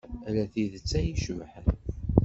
Ala tidet ay icebḥen.